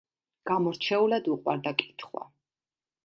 გამორჩეულად უყვარდა კითხვა.